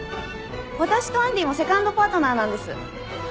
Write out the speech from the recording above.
私とアンディーもセカンドパートナーなんです。